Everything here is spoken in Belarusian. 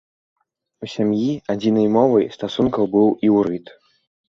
У сям'і адзінай мовай стасункаў быў іўрыт.